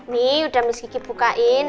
nih udah miss kiki bukain